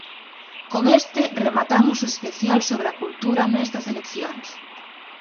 Con este rematamos o especial sobre a cultura nestas eleccións.